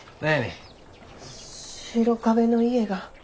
白壁の家が。